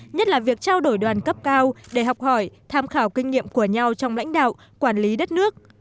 nhất là việc trao đổi đoàn cấp cao để học hỏi tham khảo kinh nghiệm của nhau trong lãnh đạo quản lý đất nước